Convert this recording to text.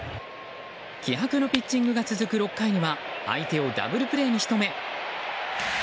気迫のピッチングが続く６回には相手をダブルプレーに仕留め。